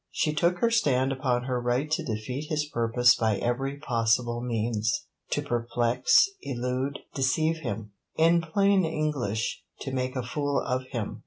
She took her stand upon her right to defeat his purpose by every possible means to perplex, elude, deceive him in plain English, to make a fool of him.